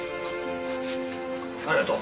ありがとう。